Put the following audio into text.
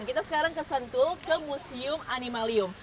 kita sekarang ke sentul ke museum animalium